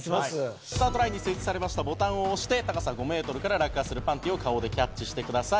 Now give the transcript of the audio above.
スタートラインに設置されましたボタンを押して高さ５メートルから落下するパンティを顔でキャッチしてください。